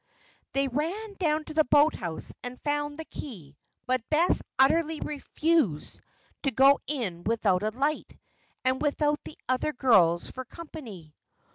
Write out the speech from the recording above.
They ran down to the boathouse and found the key. But Bess utterly refused to go in without a light, and without the other girls for company.